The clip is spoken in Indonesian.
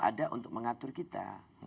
ada untuk mengatur kita